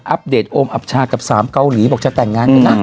เดตโอมอับชากับ๓เกาหลีบอกจะแต่งงานกันนะ